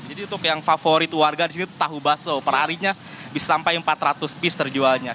jadi untuk yang favorit warga di sini tahu baso perharinya bisa sampai empat ratus pis terjualnya